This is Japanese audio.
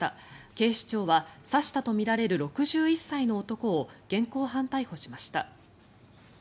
警視庁は刺したとみられる６１歳の男を現行犯逮捕しました。